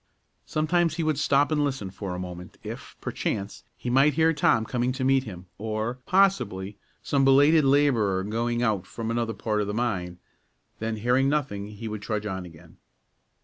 Sometimes he would stop and listen, for a moment, if, perchance, he might hear Tom coming to meet him, or, possibly, some belated laborer going out from another part of the mine; then, hearing nothing, he would trudge on again.